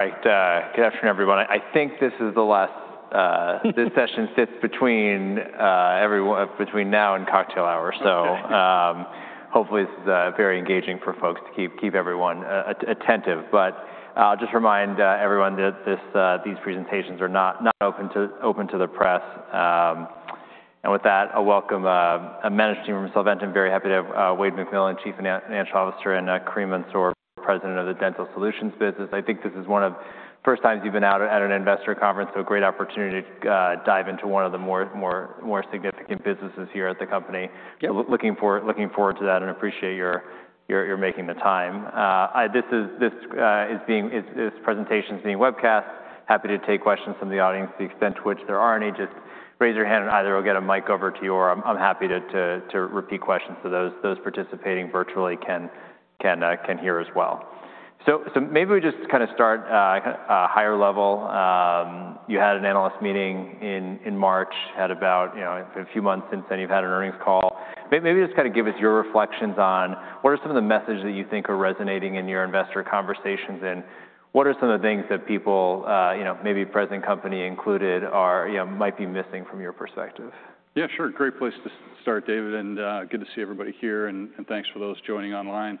Right. Good afternoon, everyone. I think this is the last—this session sits between now and cocktail hour. Hopefully this is very engaging for folks to keep everyone attentive. I'll just remind everyone that these presentations are not open to the press. With that, I'll welcome a management team from Solventum. Very happy to have Wayde McMillan, Chief Financial Officer, and Kareem Mansour, President of the Dental Solutions business. I think this is one of the first times you've been out at an investor conference, so a great opportunity to dive into one of the more significant businesses here at the company. Looking forward to that and appreciate your making the time. This presentation is being webcast. Happy to take questions from the audience. The extent to which there are any, just raise your hand and either we'll get a mic over to you or I'm happy to repeat questions so those participating virtually can hear as well. Maybe we just kind of start at a higher level. You had an analyst meeting in March, had about a few months since then you've had an earnings call. Maybe just kind of give us your reflections on what are some of the messages that you think are resonating in your investor conversations and what are some of the things that people, maybe present company included, might be missing from your perspective. Yeah, sure. Great place to start, David. Good to see everybody here and thanks for those joining online.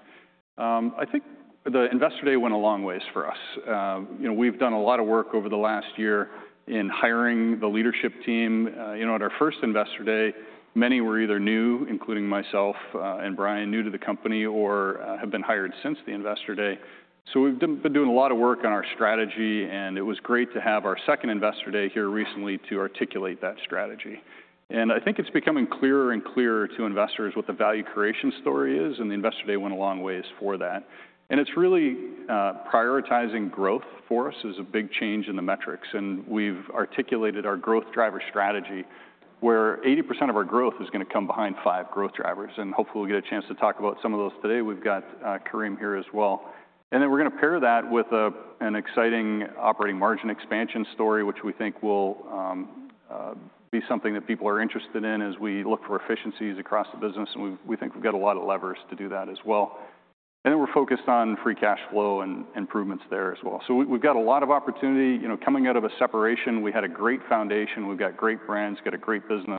I think the investor day went a long way for us. We've done a lot of work over the last year in hiring the leadership team. At our first investor day, many were either new, including myself and Bryan, new to the company or have been hired since the investor day. We've been doing a lot of work on our strategy and it was great to have our second investor day here recently to articulate that strategy. I think it's becoming clearer and clearer to investors what the value creation story is and the investor day went a long way for that. It's really prioritizing growth for us, which is a big change in the metrics. We have articulated our growth driver strategy where 80% of our growth is going to come behind five growth drivers. Hopefully we will get a chance to talk about some of those today. We have Kareem here as well. We are going to pair that with an exciting operating margin expansion story, which we think will be something that people are interested in as we look for efficiencies across the business. We think we have a lot of levers to do that as well. We are focused on free cash flow and improvements there as well. We have a lot of opportunity. Coming out of a separation, we had a great foundation, we have great brands, have a great business,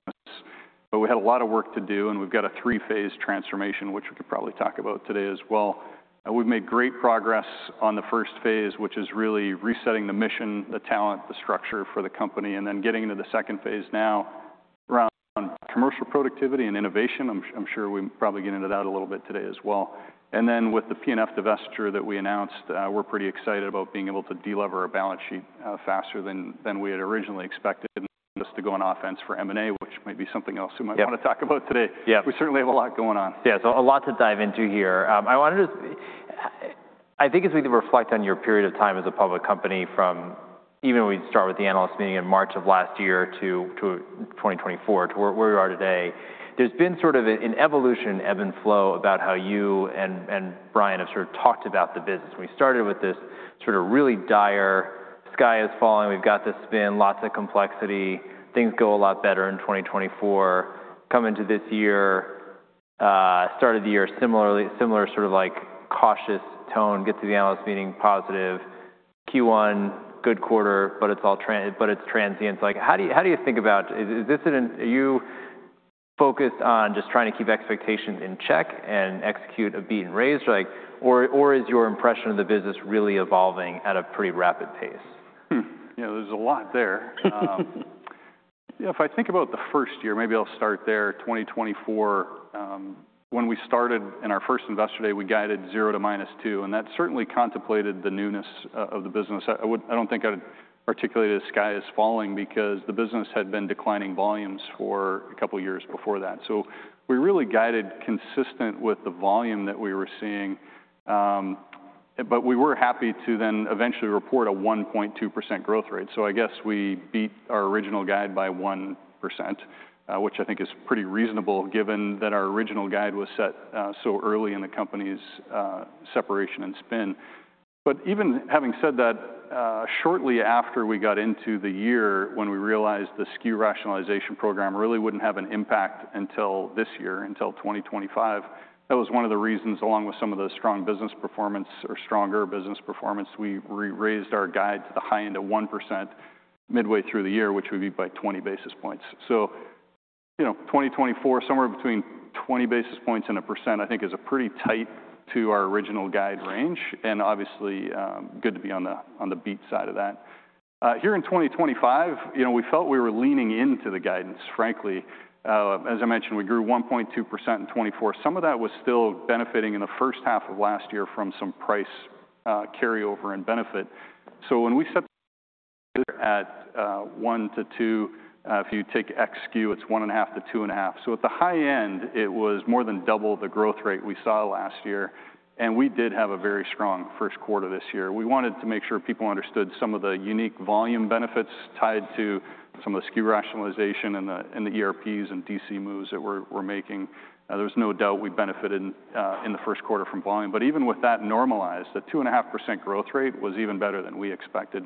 but we had a lot of work to do and we have a three-phase transformation, which we could probably talk about today as well. We've made great progress on the first phase, which is really resetting the mission, the talent, the structure for the company, and then getting into the second phase now around commercial productivity and innovation. I'm sure we'll probably get into that a little bit today as well. With the P&F divestiture that we announced, we're pretty excited about being able to deliver our balance sheet faster than we had originally expected and us to go on offense for M&A, which may be something else we might want to talk about today. We certainly have a lot going on. Yeah, so a lot to dive into here. I wanted to—I think as we reflect on your period of time as a public company from even when we started with the analyst meeting in March of last year to 2024, to where we are today, there's been sort of an evolution in ebb and flow about how you and Bryan have sort of talked about the business. We started with this sort of really dire, sky is falling, we've got this spin, lots of complexity, things go a lot better in 2024, come into this year, start of the year similar sort of like cautious tone, get to the analyst meeting positive, Q1 good quarter, but it's transient. How do you think about—are you focused on just trying to keep expectations in check and execute a beat and raise, or is your impression of the business really evolving at a pretty rapid pace? Yeah, there's a lot there. If I think about the first year, maybe I'll start there, 2024, when we started in our first investor day, we guided zero to minus two, and that certainly contemplated the newness of the business. I don't think I'd articulate a sky is falling because the business had been declining volumes for a couple of years before that. We really guided consistent with the volume that we were seeing, but we were happy to then eventually report a 1.2% growth rate. I guess we beat our original guide by 1%, which I think is pretty reasonable given that our original guide was set so early in the company's separation and spin. Even having said that, shortly after we got into the year when we realized the SKU rationalization program really would not have an impact until this year, until 2025, that was one of the reasons along with some of the strong business performance or stronger business performance, we raised our guide to the high end of 1% midway through the year, which would be by 20 basis points. 2024, somewhere between 20 basis points and 1%, I think is pretty tight to our original guide range and obviously good to be on the beat side of that. Here in 2025, we felt we were leaning into the guidance, frankly. As I mentioned, we grew 1.2% in 2024. Some of that was still benefiting in the first half of last year from some price carryover and benefit. When we set at one to two, if you take X SKU, it is one and a half to two and a half. At the high end, it was more than double the growth rate we saw last year, and we did have a very strong first quarter this year. We wanted to make sure people understood some of the unique volume benefits tied to some of the SKU rationalization and the ERPs and DC moves that we are making. There was no doubt we benefited in the first quarter from volume, but even with that normalized, the 2.5% growth rate was even better than we expected.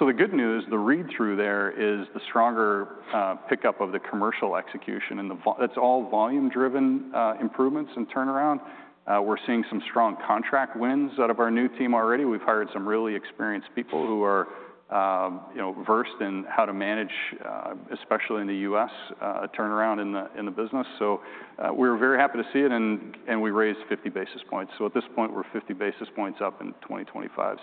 The good news, the read-through there is the stronger pickup of the commercial execution. That is all volume-driven improvements and turnaround. We are seeing some strong contract wins out of our new team already. We've hired some really experienced people who are versed in how to manage, especially in the U.S., turnaround in the business. We were very happy to see it, and we raised 50 basis points. At this point, we're 50 basis points up in 2025.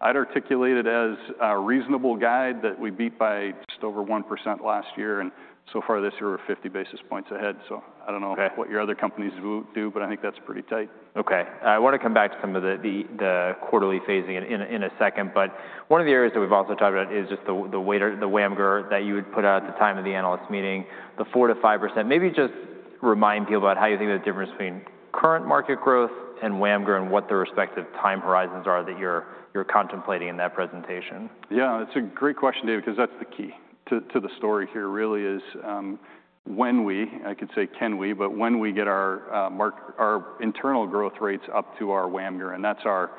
I'd articulate it as a reasonable guide that we beat by just over 1% last year, and so far this year, we're 50 basis points ahead. I don't know what your other companies do, but I think that's pretty tight. Okay. I want to come back to some of the quarterly phasing in a second, but one of the areas that we've also talked about is just the WAMGR that you had put out at the time of the analyst meeting, the 4%-5%. Maybe just remind people about how you think the difference between current market growth and WAMGR and what the respective time horizons are that you're contemplating in that presentation. Yeah, it's a great question, David, because that's the key to the story here really is when we, I could say can we, but when we get our internal growth rates up to our WAMGR, and that's our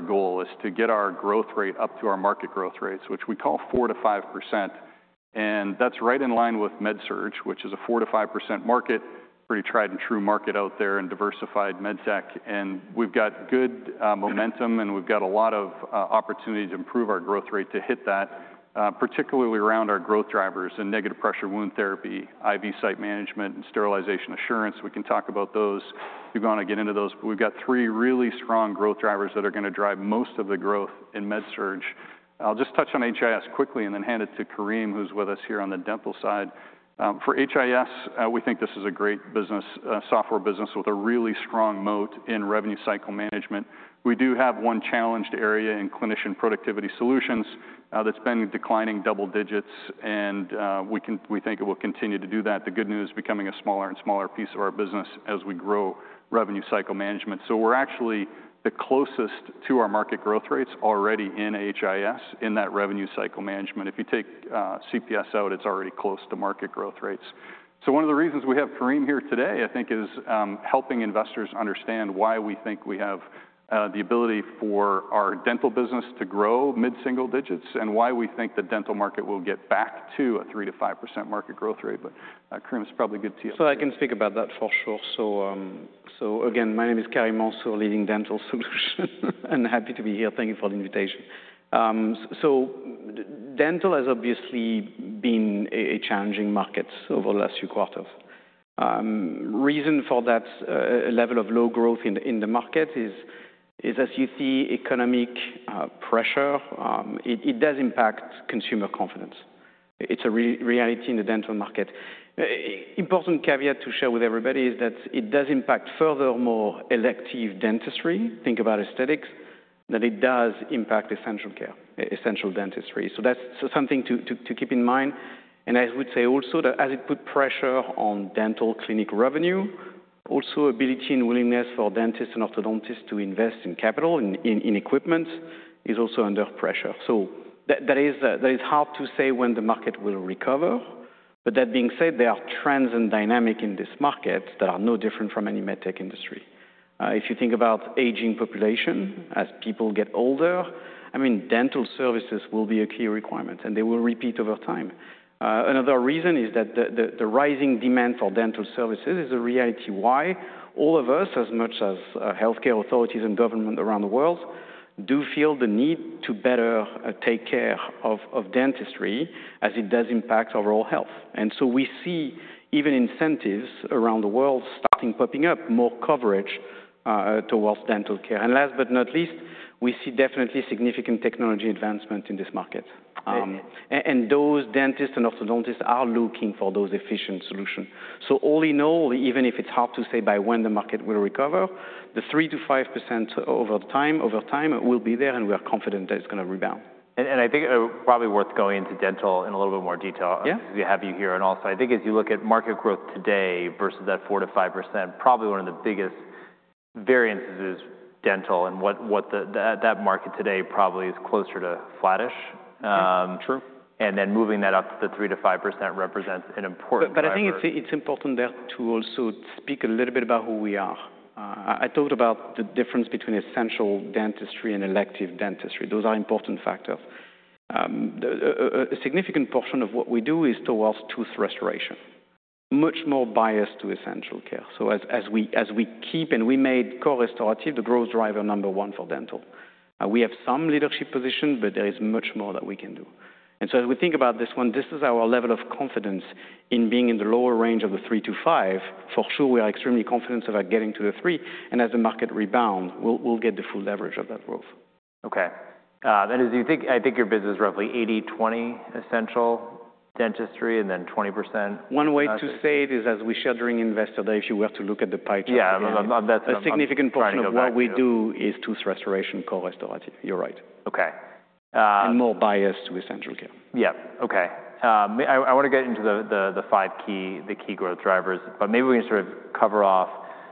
goal is to get our growth rate up to our market growth rates, which we call 4%-5%. That's right in line with MedSurg, which is a 4%-5% market, pretty tried and true market out there in diversified med tech. We've got good momentum and we've got a lot of opportunity to improve our growth rate to hit that, particularly around our growth drivers and negative pressure wound therapy, IV site management, and sterilization assurance. We can talk about those. We're going to get into those, but we've got three really strong growth drivers that are going to drive most of the growth in MedSurg. I'll just touch on HIS quickly and then hand it to Kareem, who's with us here on the dental side. For HIS, we think this is a great software business with a really strong moat in revenue cycle management. We do have one challenged area in clinician productivity solutions that's been declining double digits, and we think it will continue to do that. The good news is becoming a smaller and smaller piece of our business as we grow revenue cycle management. We are actually the closest to our market growth rates already in HIS in that revenue cycle management. If you take CPS out, it's already close to market growth rates. One of the reasons we have Kareem here today, I think, is helping investors understand why we think we have the ability for our dental business to grow mid-single digits and why we think the dental market will get back to a 3%-5% market growth rate. But Kareem is probably good to you. I can speak about that for sure. Again, my name is Kareem Mansour, leading dental solution, and happy to be here. Thank you for the invitation. Dental has obviously been a challenging market over the last few quarters. The reason for that level of low growth in the market is, as you see, economic pressure. It does impact consumer confidence. It is a reality in the dental market. An important caveat to share with everybody is that it does impact furthermore elective dentistry. Think about aesthetics, that it does impact essential care, essential dentistry. That is something to keep in mind. I would say also that as it puts pressure on dental clinic revenue, also ability and willingness for dentists and orthodontists to invest in capital, in equipment, is also under pressure. That is hard to say when the market will recover. That being said, there are trends and dynamics in this market that are no different from any med tech industry. If you think about the aging population, as people get older, I mean, dental services will be a key requirement and they will repeat over time. Another reason is that the rising demand for dental services is a reality why all of us, as much as healthcare authorities and government around the world, do feel the need to better take care of dentistry as it does impact overall health. We see even incentives around the world starting popping up, more coverage towards dental care. Last but not least, we see definitely significant technology advancement in this market. Those dentists and orthodontists are looking for those efficient solutions. All in all, even if it's hard to say by when the market will recover, the 3%-5% over time will be there and we are confident that it's going to rebound. I think it is probably worth going into dental in a little bit more detail because we have you here and also, I think as you look at market growth today versus that 4%-5%, probably one of the biggest variances is dental and what that market today probably is closer to flattish. Then moving that up to the 3%-5% represents an important factor. I think it is important there to also speak a little bit about who we are. I talked about the difference between essential dentistry and elective dentistry. Those are important factors. A significant portion of what we do is towards tooth restoration, much more biased to essential care. As we keep and we made co-restorative the growth driver number one for dental. We have some leadership position, but there is much more that we can do. As we think about this one, this is our level of confidence in being in the lower range of the 3%-5%. For sure, we are extremely confident about getting to the 3%. As the market rebounds, we will get the full leverage of that growth. Okay. As you think, I think your business is roughly 80%,20% essential dentistry and then 20%. One way to say it is as we shared during investor day, if you were to look at the pie chart. Yeah, on that side. A significant portion of what we do is tooth restoration, co-restorative. You're right. Okay. More biased to essential care. Yeah. Okay. I want to get into the five key growth drivers, but maybe we can sort of cover off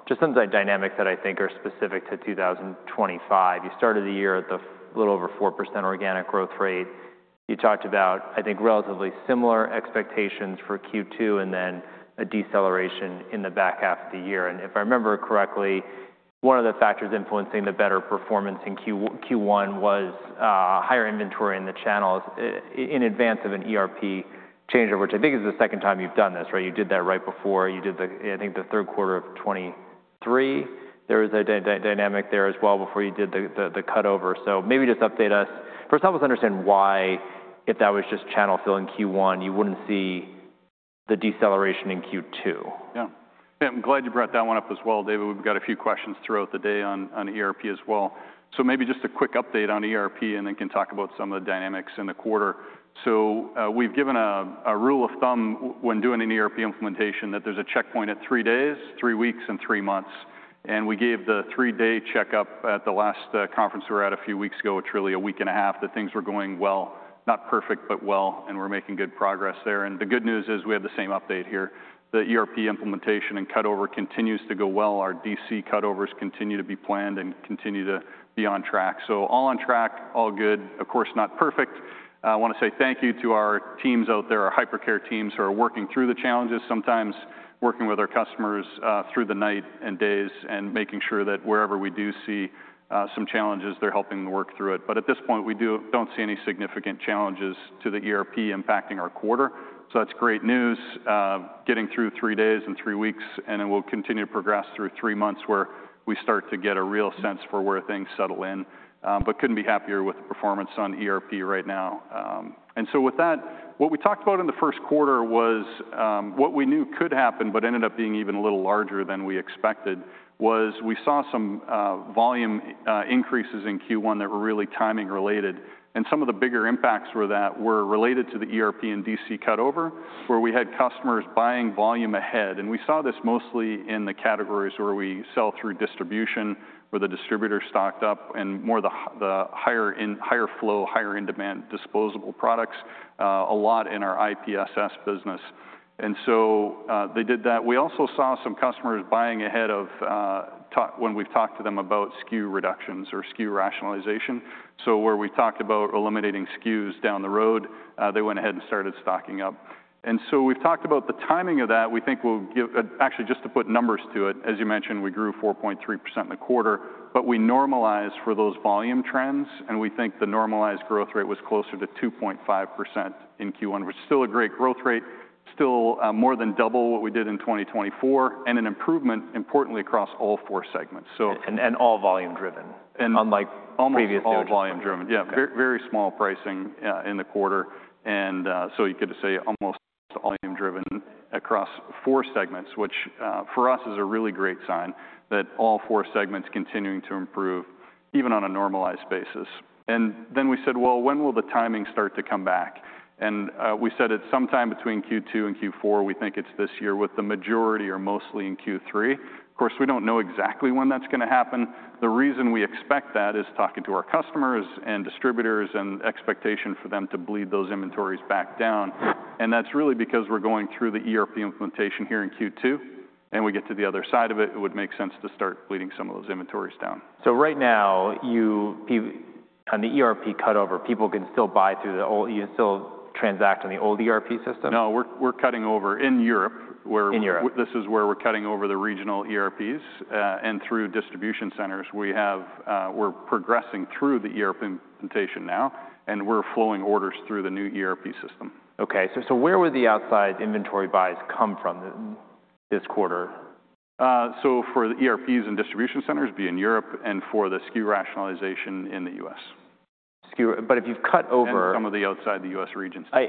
just some of the dynamics that I think are specific to 2025. You started the year at the little over 4% organic growth rate. You talked about, I think, relatively similar expectations for Q2 and then a deceleration in the back half of the year. If I remember correctly, one of the factors influencing the better performance in Q1 was higher inventory in the channels in advance of an ERP change, which I think is the second time you've done this, right? You did that right before. You did the, I think, the third quarter of 2023. There was a dynamic there as well before you did the cutover. Maybe just update us. First off, let's understand why if that was just channel fill in Q1, you wouldn't see the deceleration in Q2. Yeah. I'm glad you brought that one up as well, David. We've got a few questions throughout the day on ERP as well. Maybe just a quick update on ERP and then can talk about some of the dynamics in the quarter. We've given a rule of thumb when doing an ERP implementation that there's a checkpoint at three days, three weeks, and three months. We gave the three-day checkup at the last conference we were at a few weeks ago, which really a week and a half, that things were going well, not perfect, but well, and we're making good progress there. The good news is we have the same update here. The ERP implementation and cutover continues to go well. Our DC cutovers continue to be planned and continue to be on track. All on track, all good. Of course, not perfect. I want to say thank you to our teams out there, our hypercare teams who are working through the challenges, sometimes working with our customers through the night and days and making sure that wherever we do see some challenges, they're helping work through it. At this point, we do not see any significant challenges to the ERP impacting our quarter. That is great news, getting through three days and three weeks, and then we will continue to progress through three months where we start to get a real sense for where things settle in. Could not be happier with the performance on ERP right now. With that, what we talked about in the first quarter was what we knew could happen, but ended up being even a little larger than we expected, was we saw some volume increases in Q1 that were really timing related. Some of the bigger impacts were related to the ERP and DC cutover, where we had customers buying volume ahead. We saw this mostly in the categories where we sell through distribution, where the distributor stocked up on more of the higher flow, higher in demand disposable products, a lot in our IPSS business. They did that. We also saw some customers buying ahead of when we've talked to them about SKU reductions or SKU rationalization. Where we've talked about eliminating SKUs down the road, they went ahead and started stocking up. We've talked about the timing of that. We think we'll give, actually just to put numbers to it, as you mentioned, we grew 4.3% in the quarter, but we normalized for those volume trends, and we think the normalized growth rate was closer to 2.5% in Q1, which is still a great growth rate, still more than double what we did in 2024, and an improvement importantly across all four segments. All volume driven, unlike previous years. Almost all volume driven. Yeah, very small pricing in the quarter. You could say almost all volume driven across four segments, which for us is a really great sign that all four segments continuing to improve even on a normalized basis. We said, when will the timing start to come back? We said it is sometime between Q2 and Q4. We think it is this year with the majority or mostly in Q3. Of course, we do not know exactly when that is going to happen. The reason we expect that is talking to our customers and distributors and expectation for them to bleed those inventories back down. That is really because we are going through the ERP implementation here in Q2, and we get to the other side of it, it would make sense to start bleeding some of those inventories down. Right now, on the ERP cutover, people can still buy through the old, you can still transact on the old ERP system? No, we're cutting over in Europe, where this is where we're cutting over the regional ERPs and through distribution centers. We're progressing through the ERP implementation now, and we're flowing orders through the new ERP system. Okay. So where would the outside inventory buys come from this quarter? For the ERPs and distribution centers be in Europe and for the SKU rationalization in the U.S.. If you've cut over. Some of the outside the U.S. regions. I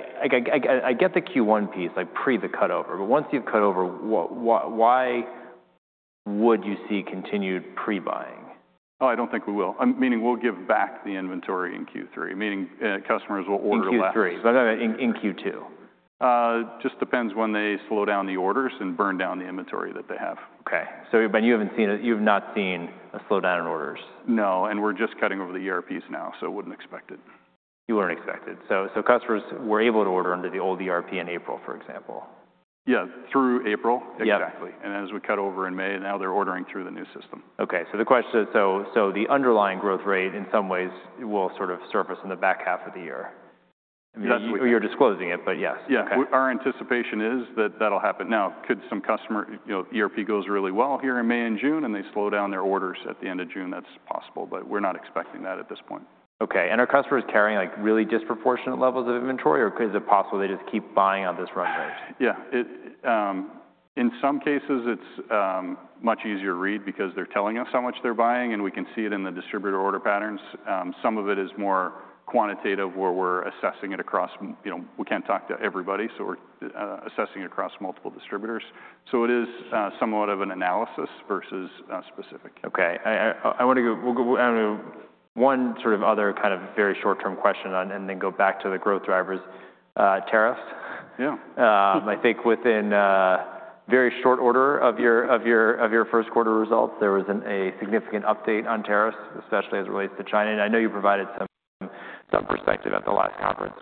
get the Q1 piece like pre the cutover, but once you've cut over, why would you see continued pre-buying? Oh, I don't think we will. Meaning we'll give back the inventory in Q3, meaning customers will order less. In Q3, but in Q2. Just depends when they slow down the orders and burn down the inventory that they have. Okay. You have not seen a slowdown in orders. No. We're just cutting over the ERPs now, so I wouldn't expect it. You wouldn't expect it. Customers were able to order under the old ERP in April, for example. Yeah, through April, exactly. As we cut over in May, now they're ordering through the new system. Okay. The question is, the underlying growth rate in some ways will sort of surface in the back half of the year. You're disclosing it, but yes. Yeah. Our anticipation is that that'll happen now. Could some customer ERP goes really well here in May and June and they slow down their orders at the end of June, that's possible, but we're not expecting that at this point. Okay. Are customers carrying like really disproportionate levels of inventory, or is it possible they just keep buying on this run rate? Yeah. In some cases, it's much easier to read because they're telling us how much they're buying, and we can see it in the distributor order patterns. Some of it is more quantitative where we're assessing it across, we can't talk to everybody, so we're assessing it across multiple distributors. It is somewhat of an analysis versus specific. Okay. I want to go one sort of other kind of very short-term question and then go back to the growth drivers, tariffs. Yeah. I think within very short order of your first quarter results, there was a significant update on tariffs, especially as it relates to China. I know you provided some. Some perspective at the last conference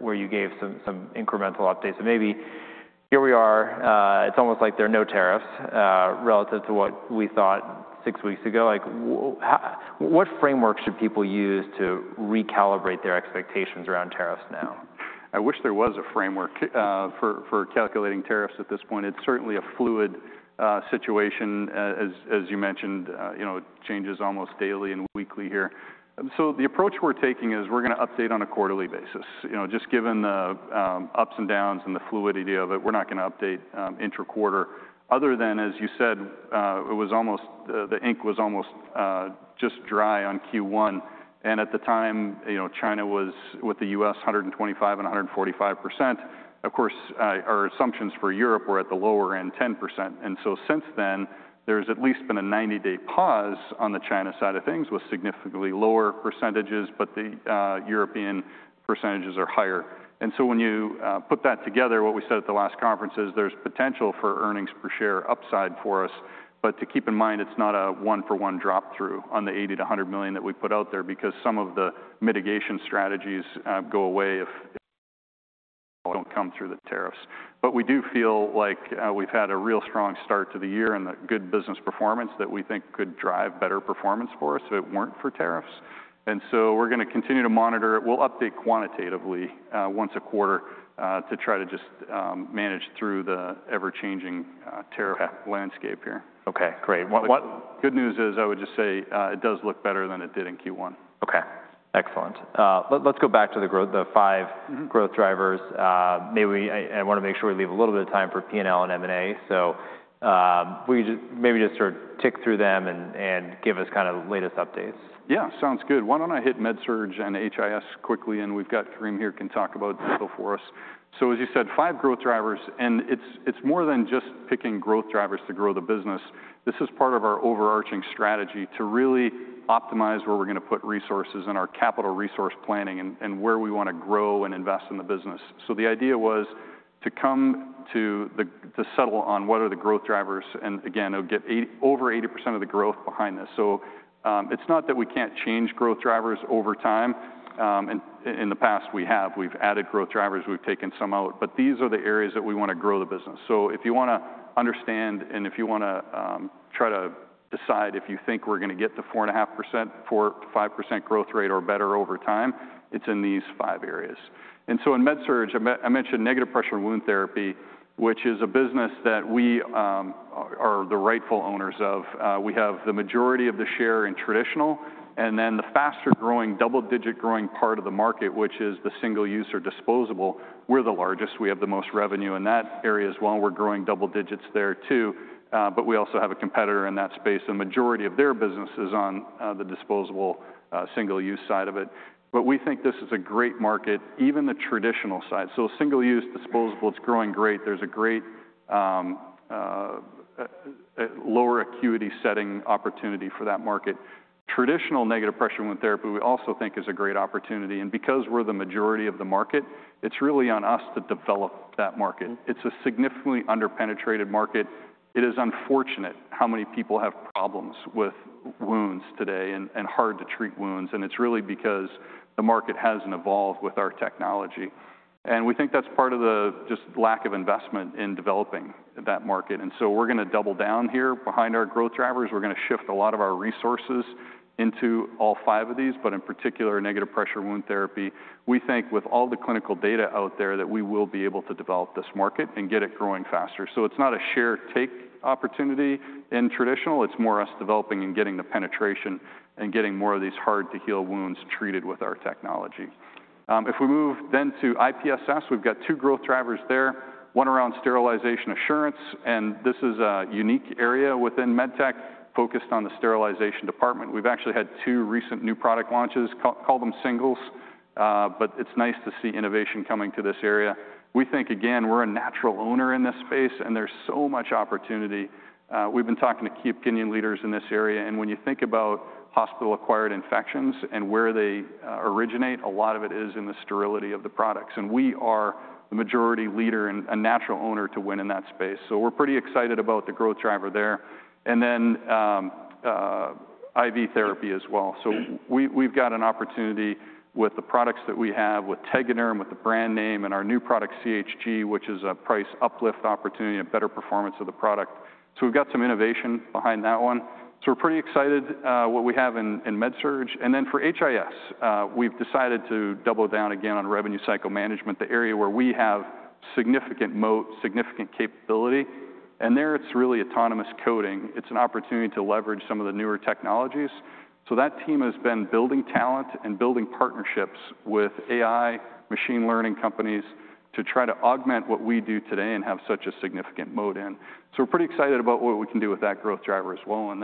where you gave some incremental updates. Maybe here we are, it's almost like there are no tariffs relative to what we thought six weeks ago. What framework should people use to recalibrate their expectations around tariffs now? I wish there was a framework for calculating tariffs at this point. It's certainly a fluid situation, as you mentioned, changes almost daily and weekly here. The approach we're taking is we're going to update on a quarterly basis. Just given the ups and downs and the fluidity of it, we're not going to update intra-quarter other than, as you said, it was almost the ink was almost just dry on Q1. At the time, China was with the US 125% and 145%. Of course, our assumptions for Europe were at the lower end, 10%. Since then, there's at least been a 90-day pause on the China side of things with significantly lower percentages, but the European percentages are higher. When you put that together, what we said at the last conference is there's potential for earnings per share upside for us. To keep in mind, it's not a one-for-one drop-through on the $80 million-$100 million that we put out there because some of the mitigation strategies go away if we don't come through the tariffs. We do feel like we've had a real strong start to the year and good business performance that we think could drive better performance for us if it weren't for tariffs. We're going to continue to monitor it. We'll update quantitatively once a quarter to try to just manage through the ever-changing tariff landscape here. Okay. Great. Good news is I would just say it does look better than it did in Q1. Okay. Excellent. Let's go back to the five growth drivers. I want to make sure we leave a little bit of time for P&L and M&A. Maybe just sort of tick through them and give us kind of the latest updates. Yeah. Sounds good. Why do not I hit MedSurg and HIS quickly, and we have got Kareem here can talk about it for us. As you said, five growth drivers, and it is more than just picking growth drivers to grow the business. This is part of our overarching strategy to really optimize where we are going to put resources in our capital resource planning and where we want to grow and invest in the business. The idea was to come to settle on what are the growth drivers, and again, it will get over 80% of the growth behind this. It is not that we cannot change growth drivers over time. In the past, we have. We have added growth drivers. We have taken some out. These are the areas that we want to grow the business. If you want to understand and if you want to try to decide if you think we're going to get the 4.5%, 4%, 5% growth rate or better over time, it's in these five areas. In MedSurg, I mentioned negative pressure wound therapy, which is a business that we are the rightful owners of. We have the majority of the share in traditional and then the faster growing double-digit growing part of the market, which is the single-use or disposable. We're the largest. We have the most revenue in that area as well. We're growing double digits there too. We also have a competitor in that space. The majority of their business is on the disposable single-use side of it. We think this is a great market, even the traditional side. Single-use disposable, it's growing great. is a great lower acuity setting opportunity for that market. Traditional negative pressure wound therapy, we also think, is a great opportunity. Because we are the majority of the market, it is really on us to develop that market. It is a significantly under-penetrated market. It is unfortunate how many people have problems with wounds today and hard to treat wounds. It is really because the market has not evolved with our technology. We think that is part of the just lack of investment in developing that market. We are going to double down here behind our growth drivers. We are going to shift a lot of our resources into all five of these, but in particular, negative pressure wound therapy. We think with all the clinical data out there that we will be able to develop this market and get it growing faster. It is not a share-take opportunity in traditional. It's more us developing and getting the penetration and getting more of these hard-to-heal wounds treated with our technology. If we move then to IPSS, we've got two growth drivers there, one around sterilization assurance. This is a unique area within MedTech focused on the sterilization department. We've actually had two recent new product launches. Call them singles, but it's nice to see innovation coming to this area. We think, again, we're a natural owner in this space, and there's so much opportunity. We've been talking to key opinion leaders in this area. When you think about hospital-acquired infections and where they originate, a lot of it is in the sterility of the products. We are the majority leader and a natural owner to win in that space. We're pretty excited about the growth driver there. Then IV therapy as well. We've got an opportunity with the products that we have with Tegaderm, with the brand name and our new product CHG, which is a price uplift opportunity, a better performance of the product. We've got some innovation behind that one. We're pretty excited about what we have in MedSurg. For HIS, we've decided to double down again on revenue cycle management, the area where we have significant moat, significant capability. There, it's really autonomous coding. It's an opportunity to leverage some of the newer technologies. That team has been building talent and building partnerships with AI, machine learning companies to try to augment what we do today and have such a significant moat in. We're pretty excited about what we can do with that growth driver as well.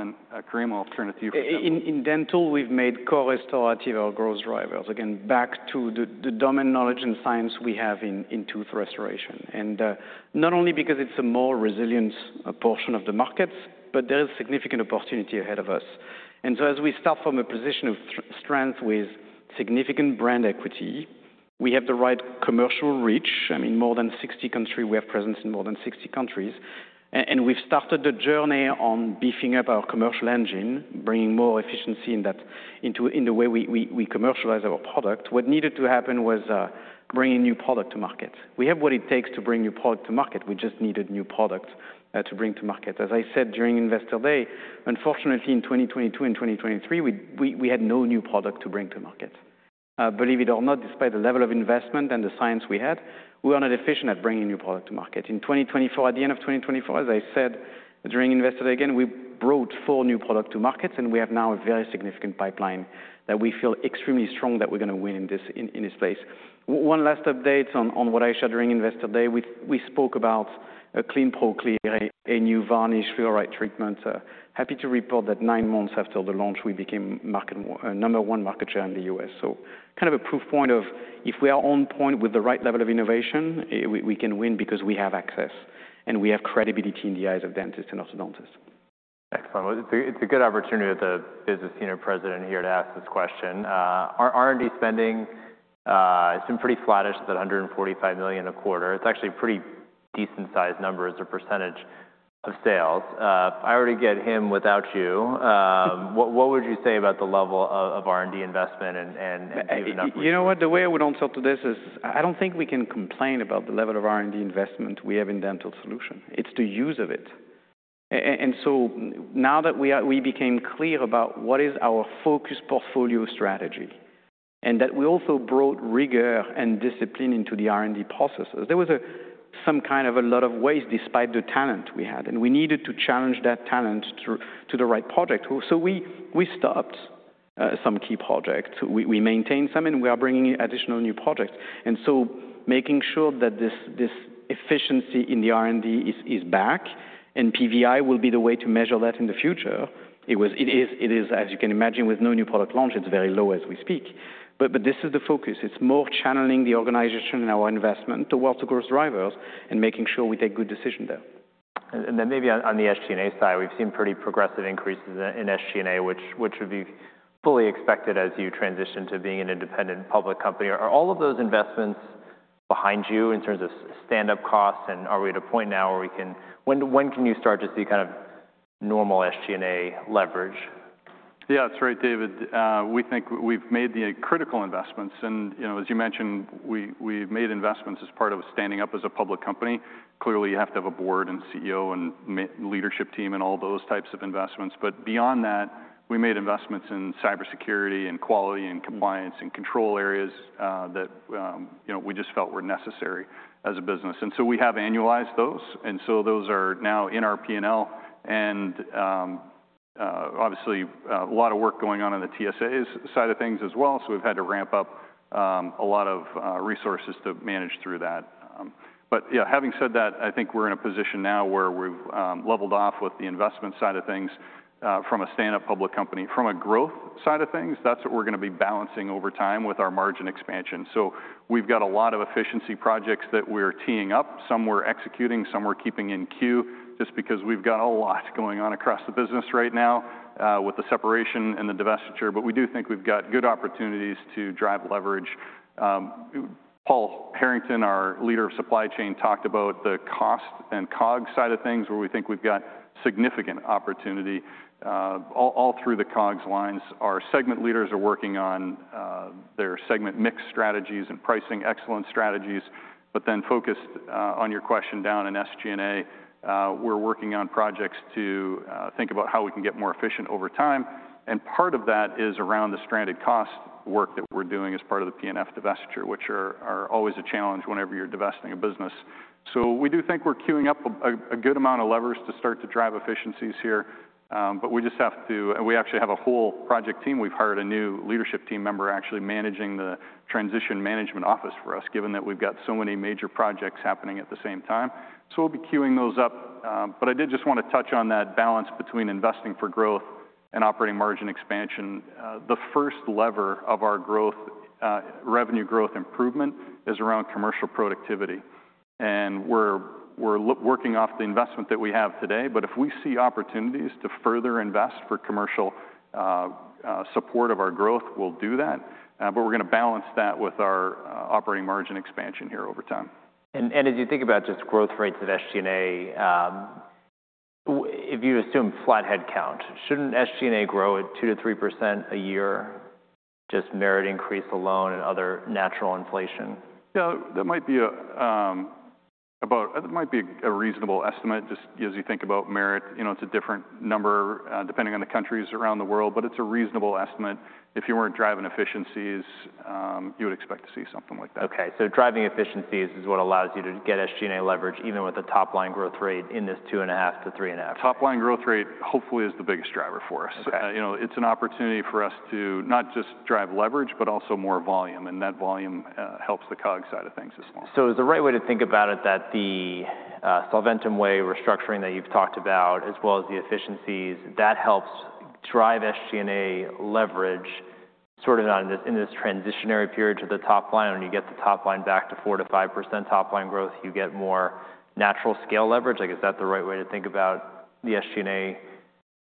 Kareem, I'll turn it to you for a second. In dental, we've made co-restorative our growth drivers, again, back to the domain knowledge and science we have in tooth restoration. Not only because it's a more resilient portion of the markets, but there is significant opportunity ahead of us. As we start from a position of strength with significant brand equity, we have the right commercial reach. I mean, more than 60 countries, we have presence in more than 60 countries. We've started the journey on beefing up our commercial engine, bringing more efficiency in that into the way we commercialize our product. What needed to happen was bringing new product to market. We have what it takes to bring new product to market. We just needed new product to bring to market. As I said during Investor Day, unfortunately, in 2022 and 2023, we had no new product to bring to market. Believe it or not, despite the level of investment and the science we had, we are not efficient at bringing new product to market. In 2024, at the end of 2024, as I said during Investor Day, again, we brought four new products to markets, and we have now a very significant pipeline that we feel extremely strong that we're going to win in this place. One last update on what I shared during Investor Day. We spoke about Clinpro Clear, a new varnish fluoride treatment. Happy to report that nine months after the launch, we became number one market share in the U.S.. Kind of a proof point of if we are on point with the right level of innovation, we can win because we have access and we have credibility in the eyes of dentists and orthodontists. Excellent. It's a good opportunity with the business Senior President here to ask this question. Our R&D spending has been pretty flattish at $145 million a quarter. It's actually a pretty decent-sized number as a percentage of sales. I already get him without you. What would you say about the level of R&D investment and even upwards? You know what? The way I would answer to this is I don't think we can complain about the level of R&D investment we have in dental solution. It's the use of it. Now that we became clear about what is our focus portfolio strategy and that we also brought rigor and discipline into the R&D processes, there was some kind of a lot of waste despite the talent we had. We needed to challenge that talent to the right project. We stopped some key projects. We maintained some, and we are bringing additional new projects. Making sure that this efficiency in the R&D is back and PVI will be the way to measure that in the future. It is, as you can imagine, with no new product launch, it's very low as we speak. This is the focus. It's more channeling the organization and our investment towards the growth drivers and making sure we take good decisions there. Maybe on the SG&A side, we've seen pretty progressive increases in SG&A, which would be fully expected as you transition to being an independent public company. Are all of those investments behind you in terms of stand-up costs? Are we at a point now where we can--when can you start to see kind of normal SG&A leverage? Yeah, that's right, David. We think we've made the critical investments. As you mentioned, we've made investments as part of standing up as a public company. Clearly, you have to have a board and CEO and leadership team and all those types of investments. Beyond that, we made investments in cybersecurity and quality and compliance and control areas that we just felt were necessary as a business. We have annualized those. Those are now in our P&L. Obviously, a lot of work going on in the TSA side of things as well. We've had to ramp up a lot of resources to manage through that. Having said that, I think we're in a position now where we've leveled off with the investment side of things from a stand-up public company. From a growth side of things, that's what we're going to be balancing over time with our margin expansion. We've got a lot of efficiency projects that we're teeing up. Some we're executing. Some we're keeping in queue just because we've got a lot going on across the business right now with the separation and the divestiture. We do think we've got good opportunities to drive leverage. Paul Harrington, our leader of supply chain, talked about the cost and COGS side of things where we think we've got significant opportunity all through the COGS lines. Our segment leaders are working on their segment mix strategies and pricing excellence strategies. Focused on your question down in SG&A, we're working on projects to think about how we can get more efficient over time. Part of that is around the stranded cost work that we're doing as part of the P&F divestiture, which are always a challenge whenever you're divesting a business. We do think we're queuing up a good amount of levers to start to drive efficiencies here. We actually have a whole project team. We've hired a new leadership team member actually managing the transition management office for us, given that we've got so many major projects happening at the same time. We'll be queuing those up. I did just want to touch on that balance between investing for growth and operating margin expansion. The first lever of our revenue growth improvement is around commercial productivity. We're working off the investment that we have today. If we see opportunities to further invest for commercial support of our growth, we'll do that. We're going to balance that with our operating margin expansion here over time. As you think about just growth rates of SG&A, if you assume flat headcount, should not SG&A grow at 2%-3% a year just merit increase alone and other natural inflation? Yeah, that might be a reasonable estimate just as you think about merit. It's a different number depending on the countries around the world, but it's a reasonable estimate. If you weren't driving efficiencies, you would expect to see something like that. Okay. So driving efficiencies is what allows you to get SG&A leverage even with a top-line growth rate in this 2.5%-3.5%? Top-line growth rate hopefully is the biggest driver for us. It's an opportunity for us to not just drive leverage, but also more volume. That volume helps the COGS side of things as well. Is the right way to think about it that the Solventum Way restructuring that you've talked about as well as the efficiencies, that helps drive SG&A leverage sort of in this transitionary period to the top line? When you get the top line back to 4%-5% top line growth, you get more natural scale leverage. Is that the right way to think about the SG&A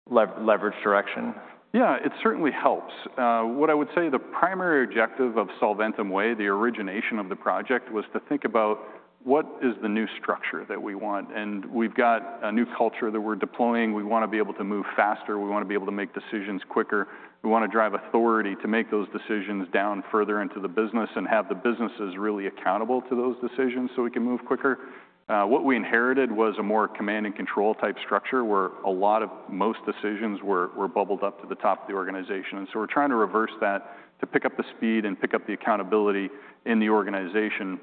leverage direction? Yeah, it certainly helps. What I would say the primary objective of Solventum Way, the origination of the project, was to think about what is the new structure that we want. We have got a new culture that we are deploying. We want to be able to move faster. We want to be able to make decisions quicker. We want to drive authority to make those decisions down further into the business and have the businesses really accountable to those decisions so we can move quicker. What we inherited was a more command and control type structure where most decisions were bubbled up to the top of the organization. We are trying to reverse that to pick up the speed and pick up the accountability in the organization.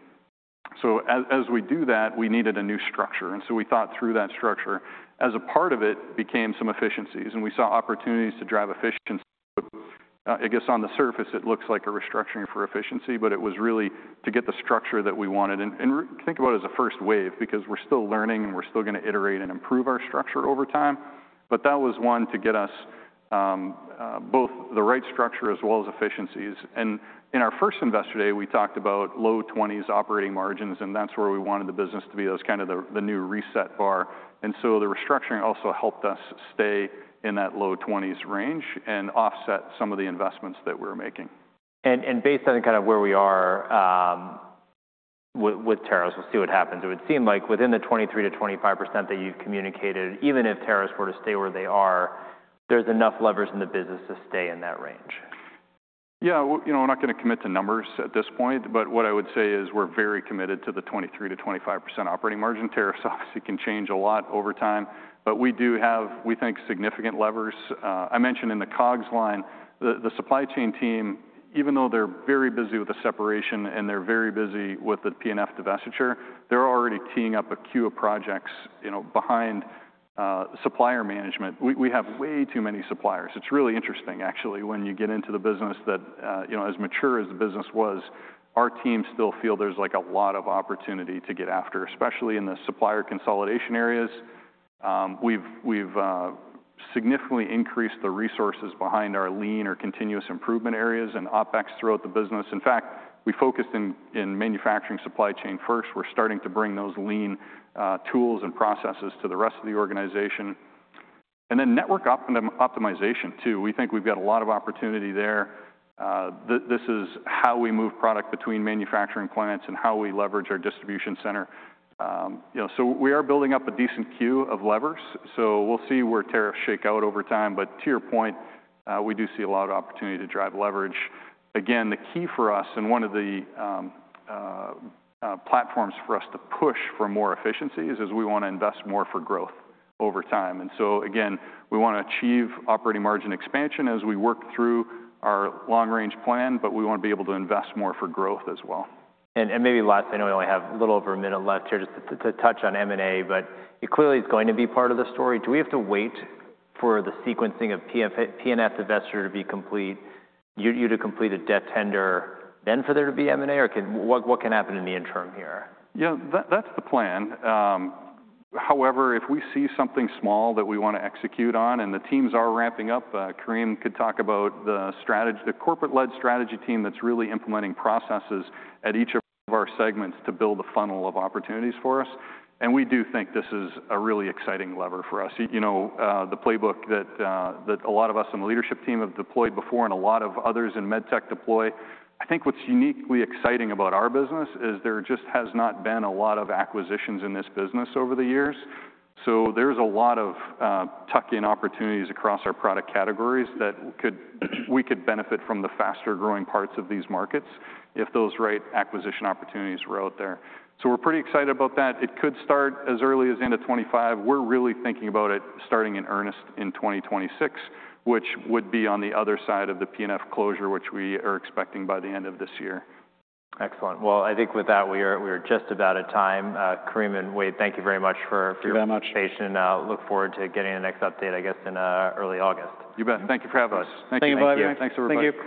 As we do that, we needed a new structure. We thought through that structure. As a part of it became some efficiencies. We saw opportunities to drive efficiency. I guess on the surface, it looks like a restructuring for efficiency, but it was really to get the structure that we wanted. Think about it as a first wave because we're still learning and we're still going to iterate and improve our structure over time. That was one to get us both the right structure as well as efficiencies. In our first investor day, we talked about low 20s operating margins, and that's where we wanted the business to be. That was kind of the new reset bar. The restructuring also helped us stay in that low 20s range and offset some of the investments that we were making. Based on kind of where we are with tariffs, we'll see what happens. It would seem like within the 23%-25% that you've communicated, even if tariffs were to stay where they are, there's enough levers in the business to stay in that range. Yeah, we're not going to commit to numbers at this point. What I would say is we're very committed to the 23%-25% operating margin. Tariffs obviously can change a lot over time. We do have, we think, significant levers. I mentioned in the COGS line, the supply chain team, even though they're very busy with the separation and they're very busy with the P&F divestiture, they're already teeing up a queue of projects behind supplier management. We have way too many suppliers. It's really interesting, actually, when you get into the business that as mature as the business was, our team still feels there's a lot of opportunity to get after, especially in the supplier consolidation areas. We've significantly increased the resources behind our lean or continuous improvement areas and OpEx throughout the business. In fact, we focused in manufacturing supply chain first. We're starting to bring those lean tools and processes to the rest of the organization. Then network optimization too. We think we've got a lot of opportunity there. This is how we move product between manufacturing plants and how we leverage our distribution center. We are building up a decent queue of levers. We will see where tariffs shake out over time. To your point, we do see a lot of opportunity to drive leverage. Again, the key for us and one of the platforms for us to push for more efficiency is we want to invest more for growth over time. Again, we want to achieve operating margin expansion as we work through our long-range plan, but we want to be able to invest more for growth as well. Maybe last, I know we only have a little over a minute left here just to touch on M&A, but it clearly is going to be part of the story. Do we have to wait for the sequencing of P&F investor to be complete, you to complete a debt tender, then for there to be M&A? What can happen in the interim here? Yeah, that's the plan. However, if we see something small that we want to execute on and the teams are ramping up, Kareem could talk about the corporate-led strategy team that's really implementing processes at each of our segments to build a funnel of opportunities for us. We do think this is a really exciting lever for us. The playbook that a lot of us on the leadership team have deployed before and a lot of others in med tech deploy, I think what's uniquely exciting about our business is there just has not been a lot of acquisitions in this business over the years. There are a lot of tuck-in opportunities across our product categories that we could benefit from the faster growing parts of these markets if those right acquisition opportunities were out there. We're pretty excited about that. It could start as early as end of 2025. We're really thinking about it starting in earnest in 2026, which would be on the other side of the P&F closure, which we are expecting by the end of this year. Excellent. I think with that, we are just about at time. Kareem and Wayde, thank you very much for your. Thank you very much. Patience. I look forward to getting the next update, I guess, in early August. You bet. Thank you for having us. Thank you, Bryan. Thanks everybody.